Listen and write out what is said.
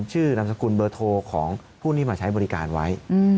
นามสกุลเบอร์โทรของผู้ที่มาใช้บริการไว้